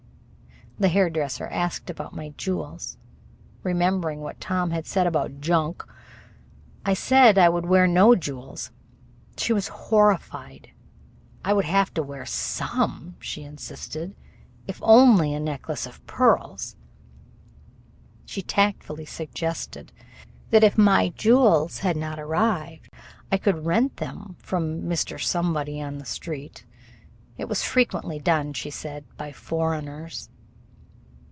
The hairdresser asked about my jewels. Remembering what Tom had said about "junk", I said I would wear no jewels. She was horrified, I would have to wear some, she insisted, if only a necklace of pearls. She tactfully suggested that if my jewels had not arrived I could rent them from Mr. Somebody on the Strand. It was frequently done, she said, by foreigners.